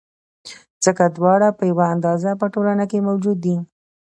ځکه دواړه په یوه اندازه په ټولنه کې موجود دي.